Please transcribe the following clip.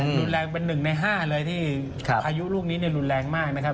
รุนแรงเป็นหนึ่งในห้าเลยที่พายุลูกนี้เนี่ยรุนแรงมากนะครับ